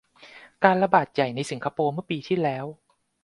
การระบาดใหญ่ในสิงคโปร์ เมื่อปีที่แล้ว